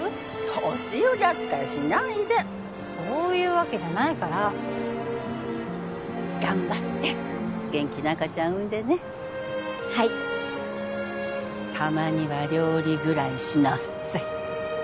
年寄り扱いしないでそういうわけじゃないから頑張って元気な赤ちゃん産んでねはいたまには料理ぐらいしなさいはい